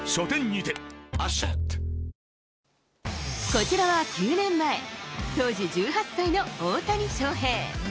こちらは９年前、当時１８歳の大谷翔平。